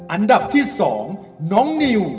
อันดับที่๒น้องนิว